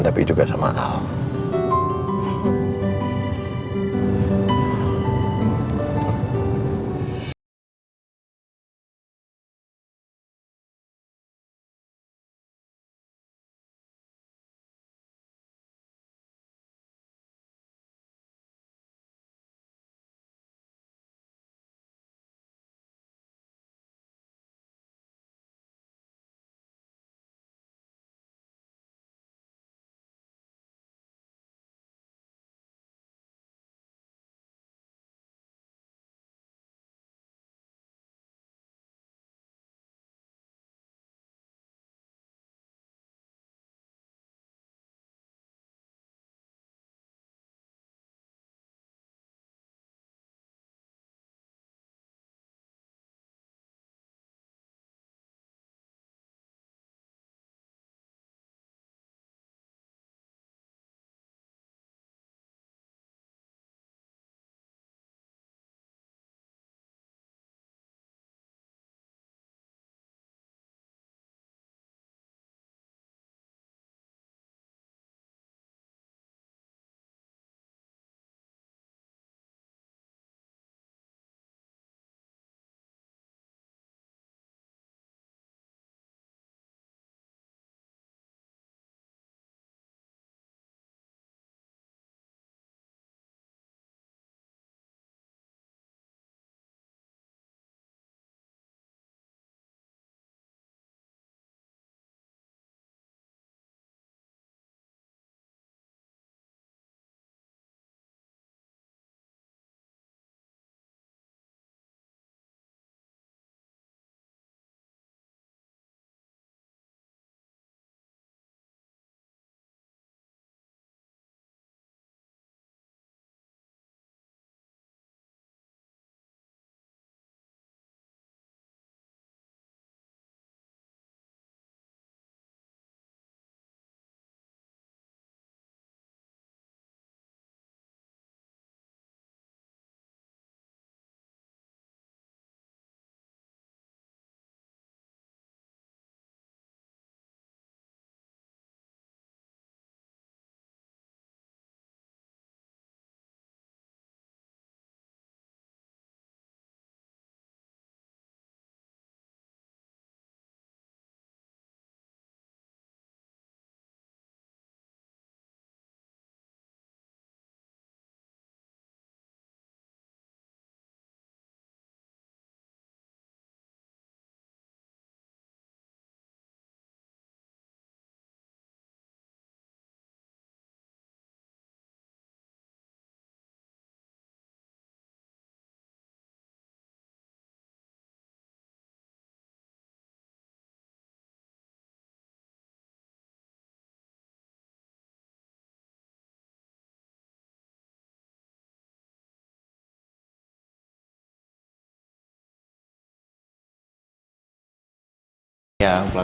tapi juga sama al